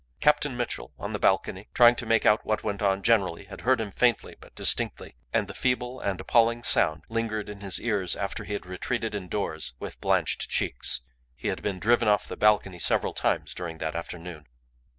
Captain Mitchell on the balcony, trying to make out what went on generally, had heard him faintly but distinctly, and the feeble and appalling sound lingered in his ears after he had retreated indoors with blanched cheeks. He had been driven off the balcony several times during that afternoon.